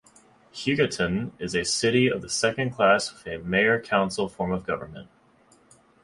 Hugoton is a city of the second class with a mayor-council form of government.